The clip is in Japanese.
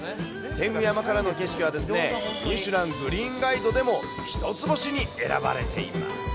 天狗山からの景色はですね、ミシュラン・グリーンガイドでも、１つ星に選ばれています。